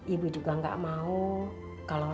ibu juga nggak mau kalau